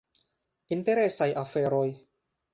Interesaj aferoj.